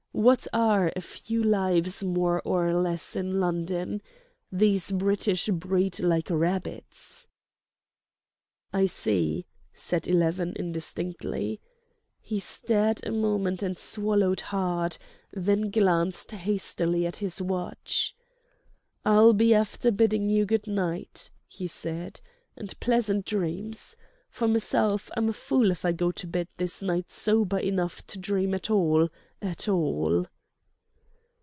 What are a few lives more or less in London? These British breed like rabbits." "I see," said Eleven, indistinctly. He stared a moment and swallowed hard, then glanced hastily at his watch. "I'll be after bidding you good night," he said, "and pleasant dreams. For meself, I'm a fool if I go to bed this night sober enough to dream at all, at all!"